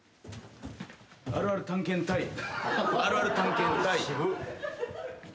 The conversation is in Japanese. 「あるある探検隊あるある探検隊」渋っ。